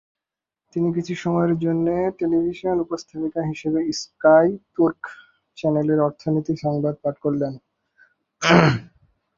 তিনি কিছু সময়ের জন্যে টেলিভিশন উপস্থাপিকা হিসেবে স্কাই তুর্ক চ্যানেলের অর্থনীতি সংবাদ পাঠ করতেন।